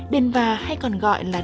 đền và hay còn gọi là đền sứ đoài